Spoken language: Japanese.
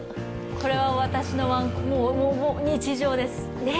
これは私の日常です。